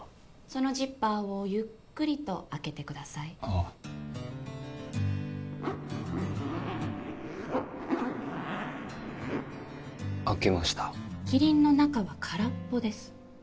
そのジッパーをゆっくりと開けてください開けましたキリンの中は空っぽです